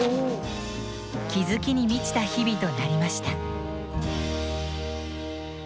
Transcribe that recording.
気づきに満ちた日々となりました。